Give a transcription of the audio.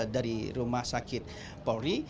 dari rumah sakit polri